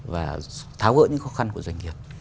và tháo gỡ những khó khăn của doanh nghiệp